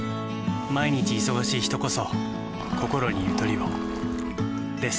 毎日忙しい人こそこころにゆとりをです。